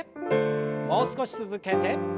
もう少し続けて。